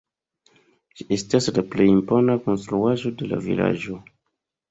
Ĝi estas la plej impona konstruaĵo de la vilaĝo.